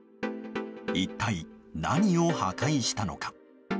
一体何を破壊したのか。